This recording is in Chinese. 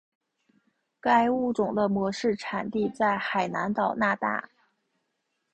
该物种的模式产地在海南岛那大。